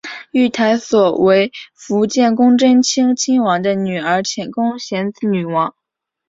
御台所为伏见宫贞清亲王的女儿浅宫显子女王。